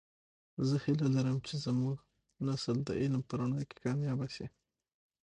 زه هیله لرم چې زمونږنسل د علم په رڼا کې کامیابه شي